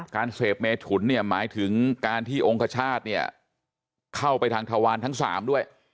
การเสพเมถุนหมายถึงการที่องค์กระชาติเข้าไปทางทวารทั้งสามด้วย